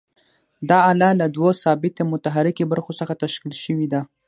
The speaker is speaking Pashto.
دا آله له دوو ثابتې او متحرکې برخو څخه تشکیل شوې ده.